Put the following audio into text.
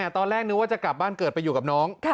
ตอนแรกนึกว่าจะกลับบ้านเกิดไปอยู่กับน้อง